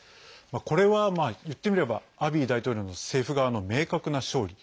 これは言ってみればアビー大統領の政府側の明確な勝利。